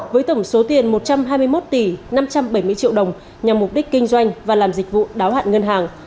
với tổng số tiền một trăm hai mươi một tỷ năm trăm bảy mươi triệu đồng nhằm mục đích kinh doanh và làm dịch vụ đáo hạn ngân hàng